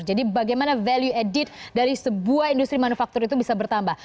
jadi bagaimana value added dari sebuah industri manufaktur itu bisa bertambah